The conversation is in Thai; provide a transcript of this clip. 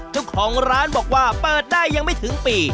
เจ้าของร้านบอกว่าเปิดได้ยังไม่ถึงปี